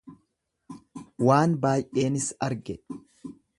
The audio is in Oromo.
Waan baay'eenis arge